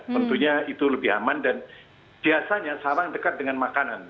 tentunya itu lebih aman dan biasanya sarang dekat dengan makanan